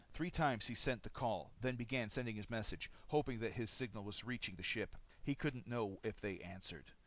Three times he sent the call, then began sending his message, hoping that his signal was reaching the ship. He couldn't know if they answered.